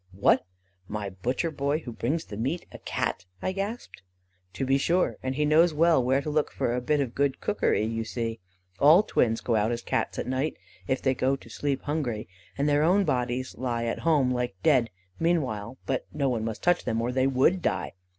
"'What! My butcher boy who brings the meat a Cat?' I gasped. "'To be sure, and he knows well where to look for a bit of good cookery, you see. All twins go out as Cats at night, if they go to sleep hungry; and their own bodies lie at home like dead, meanwhile, but no one must touch them or they would die.